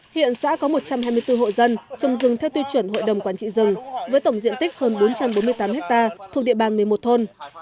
hiện xã có một trăm hai mươi bốn hộ dân trồng rừng theo tư chuẩn hội đồng quản trị rừng với tổng diện tích hơn bốn trăm bốn mươi tám ha thuộc địa bàn một mươi một thôn